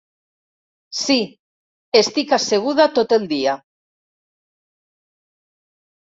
Sí, estic asseguda tot el dia.